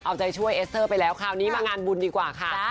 เอาใจช่วยเอสเตอร์ไปแล้วคราวนี้มางานบุญดีกว่าค่ะ